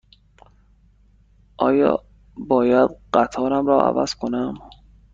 آیا باید قطارم را عوض کنم؟